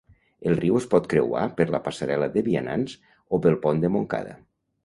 El riu es pot creuar per la passarel·la de vianants o pel pont de Montcada.